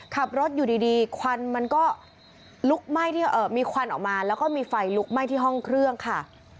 ขับรถอยู่ดีมีควันออกมาแล้วก็มีไฟลุกไหม้ที่ห้องเครื่องค่ะ